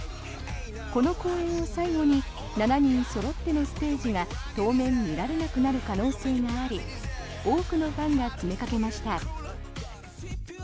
この公演を最後に７人そろってのステージが当面見られなくなる可能性があり多くのファンが詰めかけました。